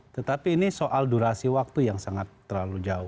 tetapi ini soal durasi waktu yang sangat terlalu jauh